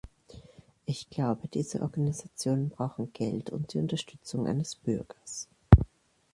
Ich glaube, diese Organisationen brauchen Geld und die Unterstützung eines Bürgers.